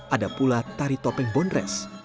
ada pula tari topeng bondres